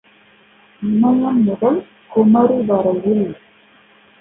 இமயம் முதல் குமரி வரையில்.